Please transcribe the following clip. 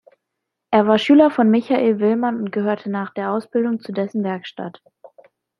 Er war Schüler von Michael Willmann und gehörte nach der Ausbildung zu dessen Werkstatt.